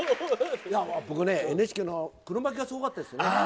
僕ね、ＮＨＫのクロマキーがすごかったですよね。